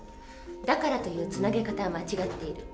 「だから」というつなげ方は間違っている。